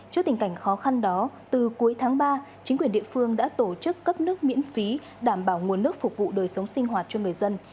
trước tình cảnh khó khăn đó từ cuối tháng ba chính quyền địa phương đã tổ chức cấp nước miễn phí đảm bảo nguồn nước phục vụ đời sống sinh hoạt cho người dân